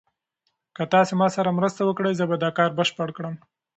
که تاسي ما سره مرسته وکړئ زه به دا کار بشپړ کړم.